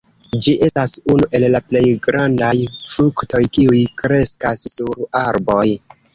Ĝi estas unu el la plej grandaj fruktoj kiuj kreskas sur arboj.